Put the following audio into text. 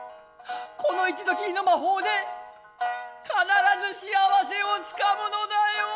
この一度きりの魔法で必ず幸せをつかむのだよ」。